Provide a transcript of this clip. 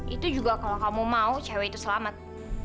itu juga kalau kamu mau cewek itu selamat